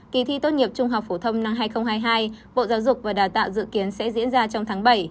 kỳ thi tốt nghiệp trung học phổ thông năm hai nghìn hai mươi hai bộ giáo dục và đào tạo dự kiến sẽ diễn ra trong tháng bảy